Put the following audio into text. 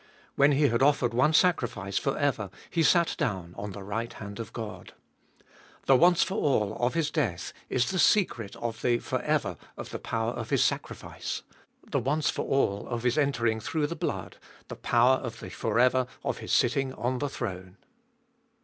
When He had offered one sacrifice for ever, He sat down on the right hand of God. The once for all of His death is the secret of the for ever of the power of His sacrifice. The once for all of His entering through the blood, the power of the for ever of His sitting on the throne.